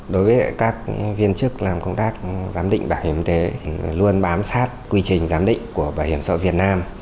đối với các viên chức làm công tác giám định bảo hiểm y tế thì luôn bám sát quy trình giám định của bảo hiểm xã hội việt nam